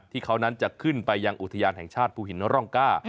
ที่เขานั้นจะขึ้นไปยังอุทยานแห่งชาติภูหินร่องก้า